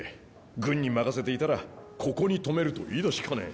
軍に任せていたらここに泊めると言いだしかねん。